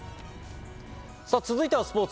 さぁ続いてはスポーツ。